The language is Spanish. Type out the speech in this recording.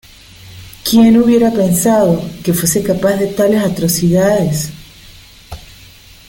¿ Quién hubiera pensado que fuese capaz de tales atrocidades?